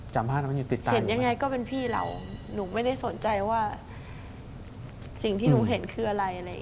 อยากยินยังไงก็เป็นพี่เถอะหนูไม่ได้สนใจว่าสิ่งที่หนูเห็นคืออะไร